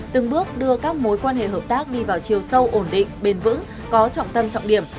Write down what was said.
từng bước đưa các mối quan hệ hợp tác đi vào chiều sâu ổn định bền vững có trọng tâm trọng điểm